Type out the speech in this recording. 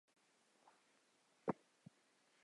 自第一次画被卖的时候使用的汇率转换成美元。